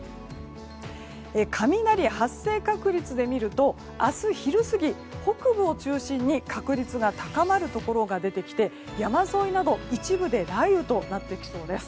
雷発生確率で見ると明日昼過ぎ、北部を中心に確率が高まるところが出てきて山沿いなど一部で雷雨となってきそうです。